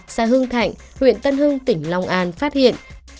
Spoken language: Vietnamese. xã hưng thạnh huyện tân hưng tỉnh long an phát hiện